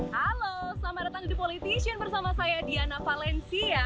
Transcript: halo selamat datang di the politician bersama saya diana valencia